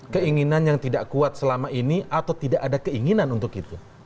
keinginan yang tidak kuat selama ini atau tidak ada keinginan untuk itu